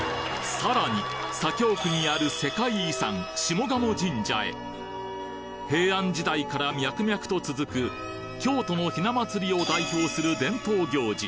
さらに左京区にある世界遺産下鴨神社へ平安時代から脈々と続く京都のひな祭りを代表する伝統行事